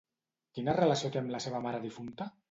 Quina relació té amb la seva mare difunta?